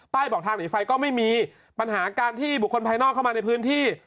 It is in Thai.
บอกทางหนีไฟก็ไม่มีปัญหาการที่บุคคลภายนอกเข้ามาในพื้นที่